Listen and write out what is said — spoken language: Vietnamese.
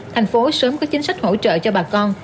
thành phố sớm có chính sách hỗ trợ cho bà con